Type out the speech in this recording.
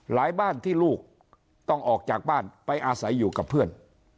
บ้านที่ลูกต้องออกจากบ้านไปอาศัยอยู่กับเพื่อน